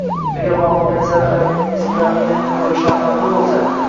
Agar muvaffaqiyat sari harakatingiz piramidaning qurilishidan farqli bo’lsa